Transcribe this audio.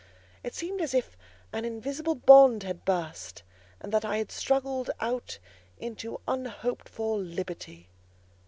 It seemed as if an invisible bond had burst, and that I had struggled out into unhoped for liberty.